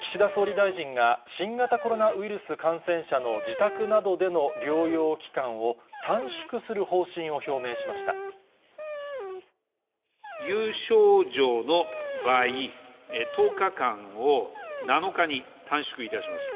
岸田総理大臣が、新型コロナウイルス感染者の自宅などでの療養期間を短縮する方針有症状の場合、１０日間を７日に短縮いたします。